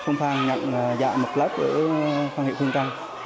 nhận dạy một lớp của phan hiệp hương trân